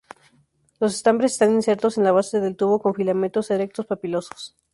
Los estambres están insertos en la base del tubo, con filamentos erectos, papilosos.